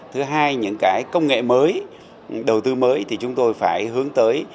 thứ hai những cái công nghệ mới đầu tư mới thì chúng tôi phải hướng tới